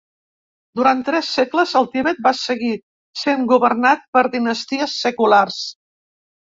Durant tres segles el Tibet va seguir sent governat per dinasties seculars.